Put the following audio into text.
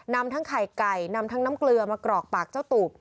นำทั้งไข่ไก่นำทั้งน้ำเกลือมากรอกปากเจ้าตูบ